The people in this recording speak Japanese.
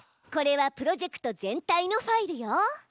これはプロジェクト全体のファイルよ！